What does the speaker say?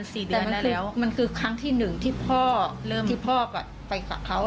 แต่มันคือครั้งที่หนึ่งที่พ่อไปกับเขา